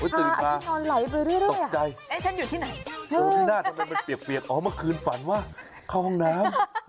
ตื่นป่าวตกใจเอ๊ะฉันอยู่ที่ไหนโอ้ที่หน้าทำไมเปียกอ๋อมันคืนฝันว่าเข้าห้องน้ำ